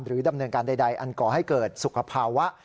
ดำเนินการใดอันก่อให้เกิดสุขภาวะ